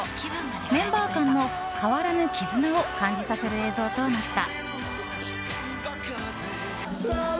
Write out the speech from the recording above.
メンバー間の変わらぬ絆を感じさせる映像となった。